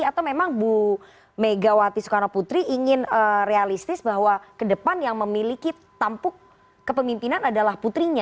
atau memang bu megawati soekarno putri ingin realistis bahwa ke depan yang memiliki tampuk kepemimpinan adalah putrinya